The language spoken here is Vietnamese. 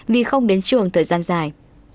vì không đến trường thời gian dài